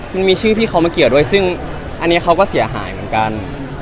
มันมีชื่อพี่เขามาเกี่ยวด้วยซึ่งอันนี้เขาก็เสียหายเหมือนกัน